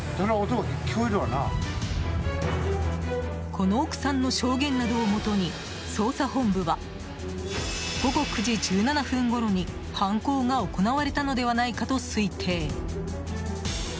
この奥さんの証言などをもとに捜査本部は午後９時１７分ごろに犯行が行われたのではないかと推定。